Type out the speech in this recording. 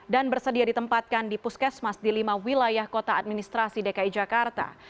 dan bersedia ditempatkan di puskesmas di lima wilayah kota administrasi dki jakarta